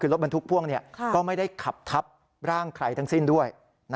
คือรถบรรทุกพ่วงก็ไม่ได้ขับทับร่างใครทั้งสิ้นด้วย